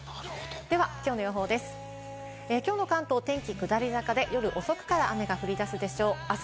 では今日の予報です。